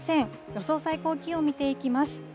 予想最高気温見ていきます。